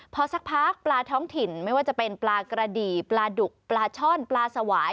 พอสักพักปลาท้องถิ่นไม่ว่าจะเป็นปลากระดี่ปลาดุกปลาช่อนปลาสวาย